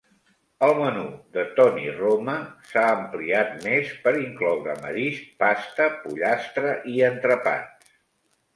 El menú de Tony Roma s'ha ampliat més per incloure marisc, pasta, pollastre i entrepans.